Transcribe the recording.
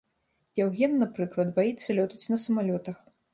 Яўген, напрыклад, баіцца лётаць на самалётах.